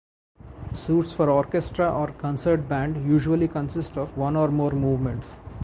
Suites for orchestra or concert band usually consist of one or more movements.